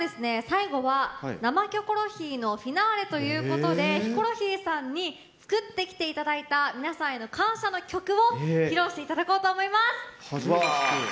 最後は「生キョコロヒー」のフィナーレという事でヒコロヒーさんに作ってきて頂いた皆さんへの感謝の曲を披露して頂こうと思います！